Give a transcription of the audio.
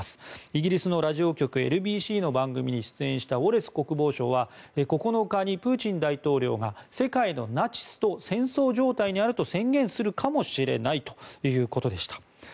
イギリスのラジオ局ＬＢＣの番組に出演したウォレス国防相は９日にプーチン大統領が世界のナチスと戦争状態にあると宣言するかもしれないということでした。